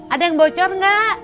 ada yang bocor nggak